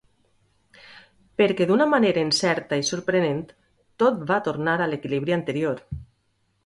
Perquè d'una manera incerta i sorprenent, tot va tornar a l'equilibri anterior.